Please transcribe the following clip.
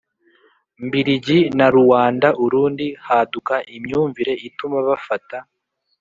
mbirigi na Ruanda Urundi haduka imyumvire ituma bafata